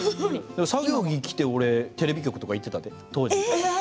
作業着着てテレビ局行ってたで当時。